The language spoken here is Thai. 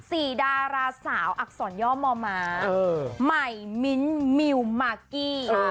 สี่ดาราสาวอักษรย่อมอมมาเออไหมมิ้นมิวมากกี้เออ